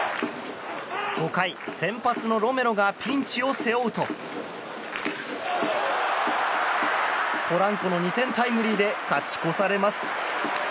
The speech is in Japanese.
５回、先発のロメロがピンチを背負うとポランコの２点タイムリーで勝ち越されます。